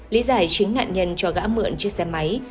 lý giải chính nạn nhân cho gã mượn chiếc xe máy